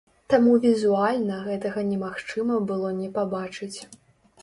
Таму візуальна гэтага немагчыма было не пабачыць.